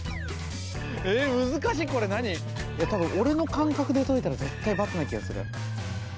えっ多分俺の感覚で解いたら絶対バツな気がする。